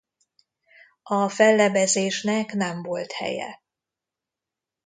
A fellebbezésnek nem volt helye.